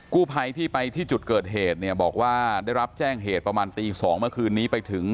กู้ภัยที่ไปที่จุดเกิดเหตุเนี่ยบอกว่าได้รับแจ้งเหตุประมาณตี๒เมื่อคืนนี้ไปถึง